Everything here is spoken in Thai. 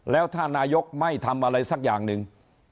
แล้วถ้านายกไม่ทำอะไรสักอย่างหนึ่ง